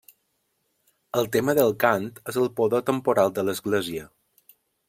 El tema del cant és el poder temporal de l'església.